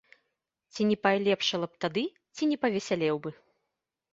Ці не палепшала б тады, ці не павесялеў бы.